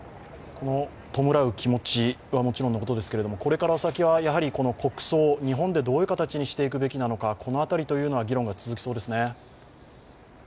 弔う気持ちはもちろんのことですけれどもこれから先はやはり国葬、日本でどういう形にしていくべきなのか、この辺りというのは議論が続きそうですね。